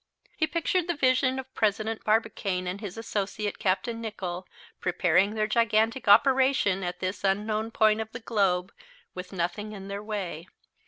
He pictured the vision of President Barbicane and his associate, Capt. Nicholl, preparing their gigantic operation at this unknown point of the globe, with nothing in their way.